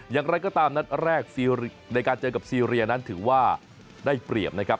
อย่างไรก็ตามนัดแรกในการเจอกับซีเรียนั้นถือว่าได้เปรียบนะครับ